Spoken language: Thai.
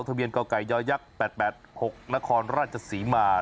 ทะเบียนเก่าไก่ย่อยักษ์๘๘๖นครราชศรีมา